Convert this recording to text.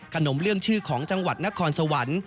เรื่องชื่อของจังหวัดนครสวรรค์